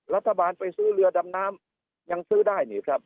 รัฐบาลไปซื้อเรือดำน้ำยังซื้อได้นี่ครับ